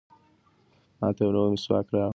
ماته یو نوی مسواک راوړه.